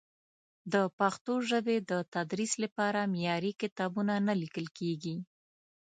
د پښتو ژبې د تدریس لپاره معیاري کتابونه نه لیکل کېږي.